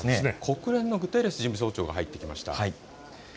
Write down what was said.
国連のグテーレス事務総長が入ってきました。